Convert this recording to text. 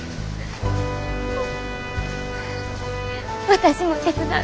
私も手伝う。